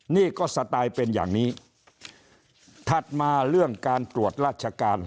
นี่ก็สไตล์เป็นอย่างนี้ถัดมาเรื่องการตรวจราชการ